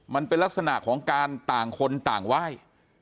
มันเป็นลักษณะของการต่างคนต่างไหว้